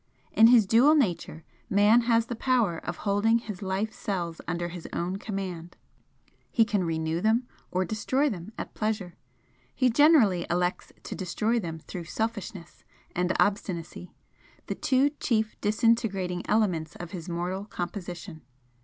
In his dual nature Man has the power of holding his life cells under his own command he can renew them or destroy them at pleasure. He generally elects to destroy them through selfishness and obstinacy, the two chief disintegrating elements of his mortal composition.